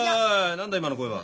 何だ今の声は。